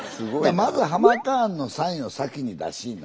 まずハマカーンのサインを先に出しいな。